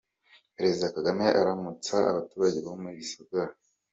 Perezida Kagame aramutsa abaturage bo muri Gisagara.